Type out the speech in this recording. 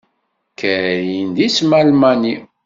Karin d isem almani.